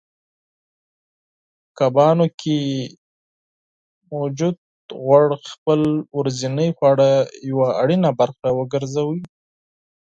کبانو کې موجود غوړ خپل ورځنۍ خواړه یوه اړینه برخه وګرځوئ